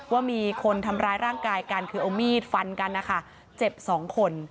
ว่ามีคนทำร้ายร่างกายกันคือเอามีดฟันกันนะคะเจ็บสองคน